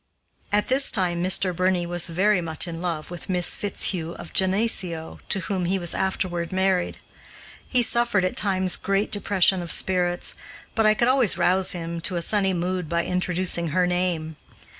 At this time Mr. Birney was very much in love with Miss Fitzhugh of Geneseo, to whom he was afterward married. He suffered at times great depression of spirits, but I could always rouse him to a sunny mood by introducing her name.